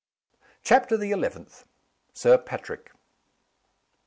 CHAPTER THE ELEVENTH. SIR PATRICK.